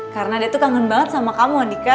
karena dia tuh kangen banget sama kamu andika